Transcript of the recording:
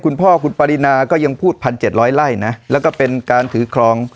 คุณพ่อคุณปรินาก็ยังพูดพันเจ็ดร้อยไล่นะแล้วก็เป็นการถือครอง